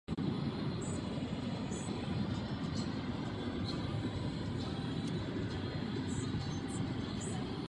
Je zde turistická ubytovna a bufet.